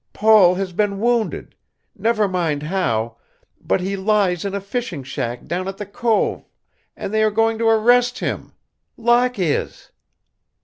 Paul has been wounded never mind how but he lies in a fishing shack down at the cove and they are going to arrest him Locke is!"